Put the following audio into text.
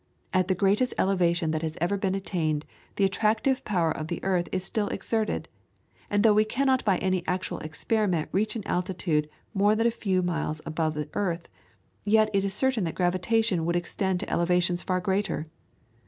At the greatest elevation that has ever been attained, the attractive power of the earth is still exerted, and though we cannot by any actual experiment reach an altitude more than a few miles above the earth, yet it is certain that gravitation would extend to elevations far greater.